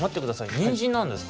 にんじんなんですか？